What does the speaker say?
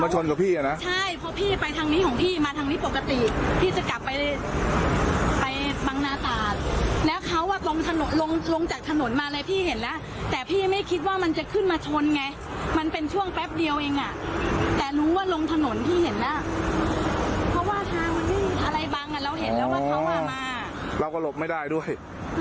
หลบไม่ได้ด้วยหลบไม่ได้ดิ